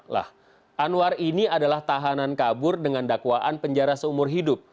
lah anwar ini adalah tahanan kabur dengan dakwaan penjara seumur hidup